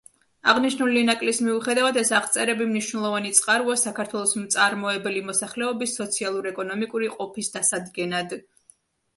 აღნიშნული ნაკლის მიუხედავად ეს აღწერები მნიშვნელოვანი წყაროა საქართველოს მწარმოებელი მოსახლეობის სოციალურ-ეკონომიკური ყოფის დასადგენად.